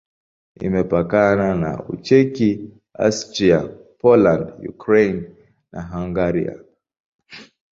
Imepakana na Ucheki, Austria, Poland, Ukraine na Hungaria.